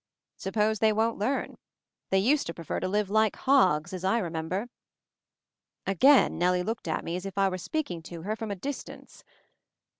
"Suppose they won't learn? They used to prefer to live like hogs, as I rememher." Again Nellie looked at me as if I were speaking to her from a distance.